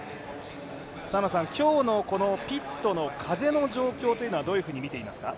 今日のピットの風の状況はどういうふうに見ていますか。